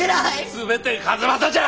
全て数正じゃ！